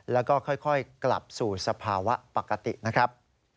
แล้วก็ค่อยกลับสู่สภาวะปกตินะครับ